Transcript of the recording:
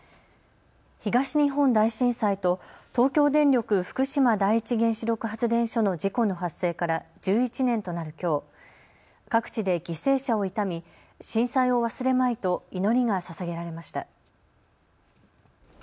東日本大震災と東京電力福島第一原子力発電所の事故の発生から１１年となるきょう、各地で犠牲者を悼み震災を忘れまいと祈りがささげられました。